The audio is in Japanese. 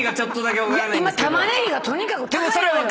今玉ねぎがとにかく高いのよ。